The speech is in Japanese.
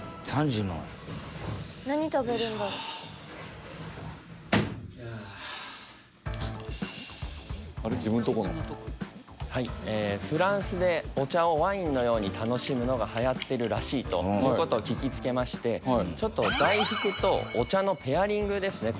自分とこの自分のとこのフランスでお茶をワインのように楽しむのがはやってるらしいということを聞きつけましてちょっと大福とお茶のペアリングですね